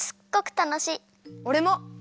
おれも！